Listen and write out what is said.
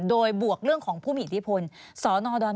โดยบวกเรื่องของผู้เหมาะหางิดที่พ่น